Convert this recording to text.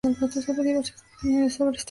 Hubo diversas opiniones sobre este ensayo.